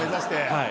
はい。